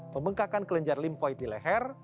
pembengkakan kelenjar limfoid di leher